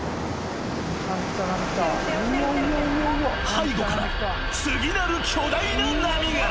［背後から次なる巨大な波が］